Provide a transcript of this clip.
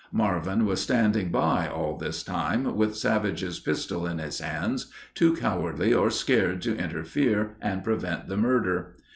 Marvin was standing by all this time, with Savage's pistol in his hands, too cowardly or scared to interfere and prevent the murder.